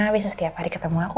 bisa setiap hari ketemu aku